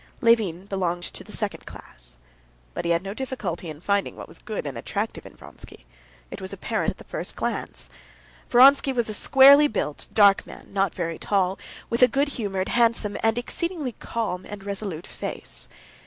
Levin belonged to the second class. But he had no difficulty in finding what was good and attractive in Vronsky. It was apparent at the first glance. Vronsky was a squarely built, dark man, not very tall, with a good humored, handsome, and exceedingly calm and resolute face.